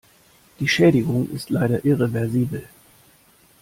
Die Schädigung ist leider irreversibel.